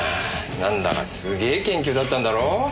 なんだかすげえ研究だったんだろ？